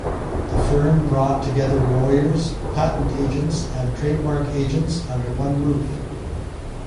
The firm brought together lawyers, patent agents and trademark agents under one roof.